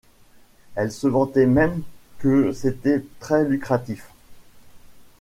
Il se vantait même que c’était très lucratif.